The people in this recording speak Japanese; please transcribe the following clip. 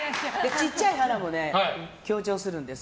ちっちゃい花も強調するんです。